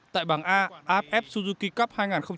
tại bảng a aff suzuki cup hai nghìn một mươi tám